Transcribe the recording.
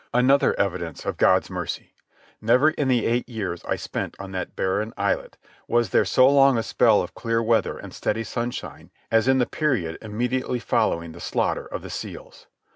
Another evidence of God's mercy; never, in the eight years I spent on that barren islet, was there so long a spell of clear weather and steady sunshine as in the period immediately following the slaughter of the seals.